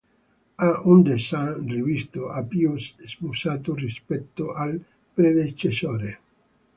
Ha un design rivisto e più smussato rispetto al predecessore.